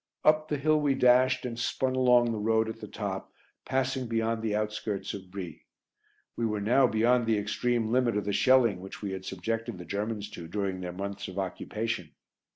Up the hill we dashed and spun along the road at the top, passing beyond the outskirts of Brie. We were now beyond the extreme limit of the shelling which we had subjected the Germans to during their months of occupation.